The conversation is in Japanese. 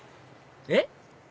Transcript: えっ？